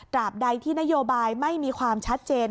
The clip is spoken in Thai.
บใดที่นโยบายไม่มีความชัดเจน